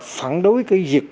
phản đối cái việc